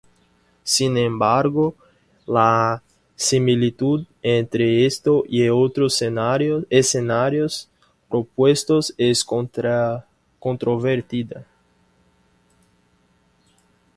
Sin embargo, la similitud entre este y otros escenarios propuestos es controvertida.